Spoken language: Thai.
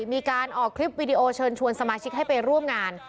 มีการออกคลิปวิดีโอเชิญชวนสมาชิกให้ไปร่วมงาน